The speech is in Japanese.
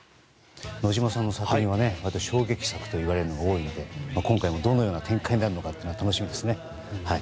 野島さんの作品は衝撃作といわれるのが多いので今回もどのような展開になるのか楽しみですね。